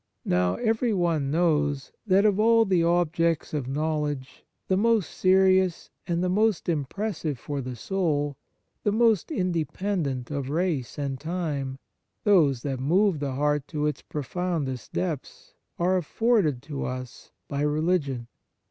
Now, everyone knows that, of all the objects of know ledge, the most serious and the most impressive for the soul, the most independent of race and time, those that move the heart to its pro f oundest depths, are afforded to us by religion.